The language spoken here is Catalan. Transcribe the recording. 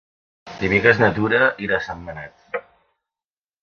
Dimecres na Tura irà a Sentmenat.